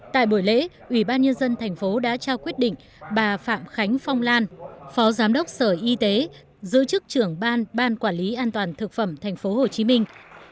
tại buổi lễ ủy ban nhân dân thành phố đã trao quyết định bà phạm khánh phong lan phó giám đốc sở y tế giữ chức trưởng ban ban quản lý an toàn thực phẩm thành phố hồ chí minh